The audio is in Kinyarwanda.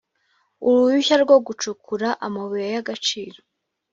uruhushya rwo gucukura amabuye y agaciro